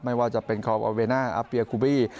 ไม่ว่าจะเป็นคอร์ปอลเวน่าอัพเบียร์กูบี